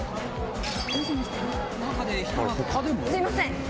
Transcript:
・すいません！